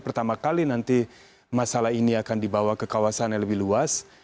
pertama kali nanti masalah ini akan dibawa ke kawasan yang lebih luas